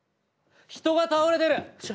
人が倒れてる！